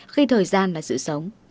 khi thời gian là sự sống